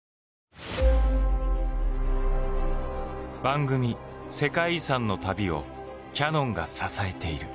番組「世界遺産」の旅をキヤノンが支えている。